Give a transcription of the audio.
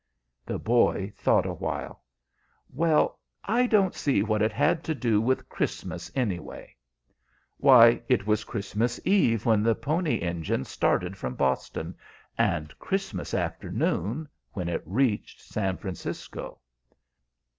The boy thought awhile. "Well, I don't see what it had to do with Christmas, anyway." "Why, it was Christmas Eve when the Pony Engine started from Boston, and Christmas afternoon when it reached San Francisco."